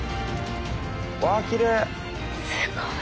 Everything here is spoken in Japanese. うわきれい！